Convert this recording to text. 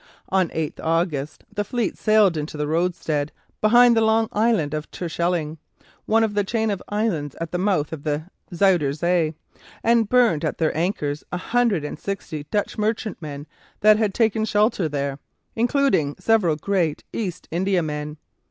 On 8 August the fleet sailed into the roadstead behind the long island of Terschelling, one of the chain of islands at the mouth of the Zuyder Zee, and burned at their anchors a hundred and sixty Dutch merchantmen that had taken shelter there, including several great East Indiamen.